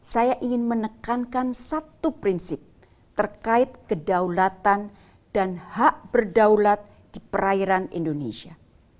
saya ingin menekankan satu prinsip terkait kedaulatan dan hak berdaulat di perairan indonesia